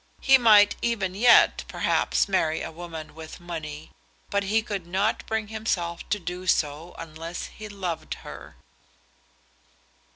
He might even yet, perhaps, marry a woman with money. But he could not bring himself to do so unless he loved her.